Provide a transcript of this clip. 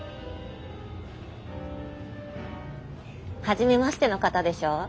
初めましての方でしょう？